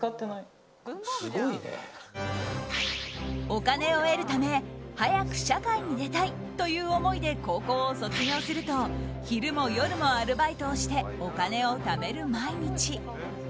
お金を得るため早く社会に出たいという思いで高校を卒業すると昼も夜もアルバイトをしてお金をためる毎日。